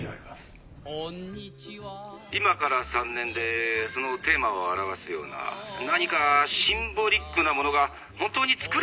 「今から３年でそのテーマを表すような何かシンボリックなものが本当につくれますか？」。